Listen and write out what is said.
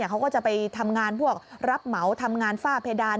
เขาก็จะไปทำงานพวกรับเหมาทำงานฝ้าเพดาน